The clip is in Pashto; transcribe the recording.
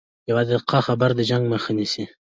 یوه دقیقه خبره د جنګ مخه نیسي